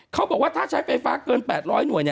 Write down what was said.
เขาบอกว่าถ้าใช้ไฟฟ้าเกิน๘๐๐หน่วย